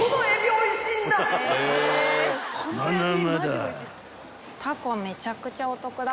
［まだまだ］